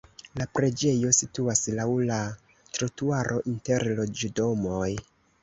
La preĝejo situas laŭ la trotuaro inter loĝdomoj.